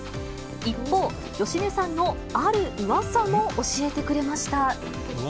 一方、芳根さんのあるうわさも教えてくれました。